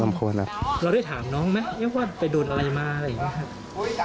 เราได้ถามน้องไหมว่าไปโดนอะไรมาอะไรอย่างนี้ครับ